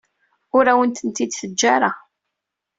Ur awen-ten-id-teǧǧa ara.